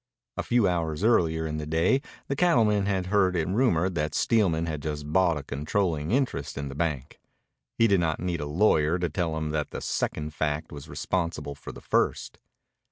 A few hours earlier in the day the cattleman had heard it rumored that Steelman had just bought a controlling interest in the bank. He did not need a lawyer to tell him that the second fact was responsible for the first.